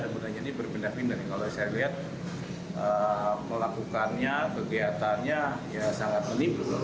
sebenarnya ini berpindah pindah kalau saya lihat melakukannya kegiatannya ya sangat menimbul